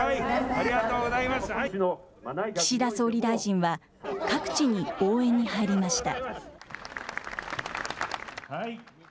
岸田総理大臣は、各地に応援に入りました。